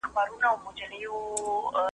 ادب د خلکو ترمنځ د یووالي وسیله ده.